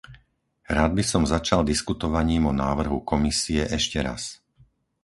Rád by som začal diskutovaním o návrhu Komisie ešte raz.